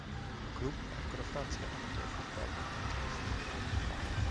A klub ekkor a francia amatőr futballban vett részt.